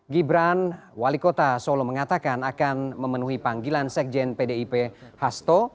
gibran wali kota solo mengatakan akan memenuhi panggilan sekjen pdip hasto